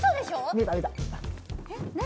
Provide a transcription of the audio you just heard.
見えた見えたえっ何？